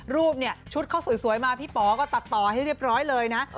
รูปเนี่ยชุดเขาสวยมาพี่ป๋อก็ตัดต่อให้เรียบร้อยเลยนะ